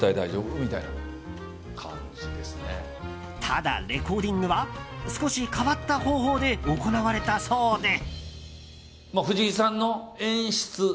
ただ、レコーディングは少し変わった方法で行われたそうで。